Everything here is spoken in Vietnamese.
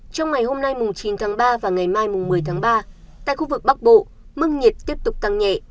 trong ngày hôm nay chín ba và ngày mai một mươi ba tại khu vực bắc bộ mương nhiệt tiếp tục tăng nhẹ